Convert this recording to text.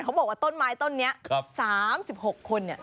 เขาบอกว่าต้นไม้ต้นนี้๓๖คน